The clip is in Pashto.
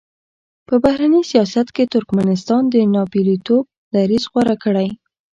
په بهرني سیاست کې ترکمنستان د ناپېیلتوب دریځ غوره کړی.